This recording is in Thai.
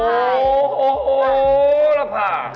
ไพ่บวช